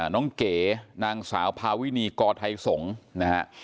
น้องเก๋นางสาวภาวินีกอทัยสงฆ์